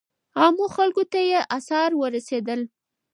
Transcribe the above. عامو خلکو ته یې آثار ورسېدل.